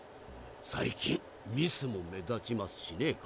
最近ミスも目立ちますしね彼女。